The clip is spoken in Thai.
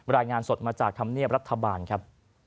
รายงานสดมาจากธรรมเนียบรัฐบาลครับ